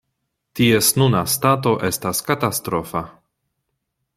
Ties nuna stato estas katastrofa.